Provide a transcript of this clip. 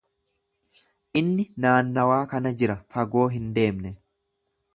Inni naannawa kana jira, fagoo hin deemne.